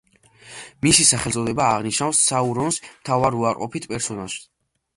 მისი სახელწოდება აღნიშნავს საურონს, მთავარ უარყოფით პერსონაჟს.